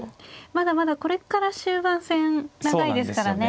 まだまだこれから終盤戦長いですからね。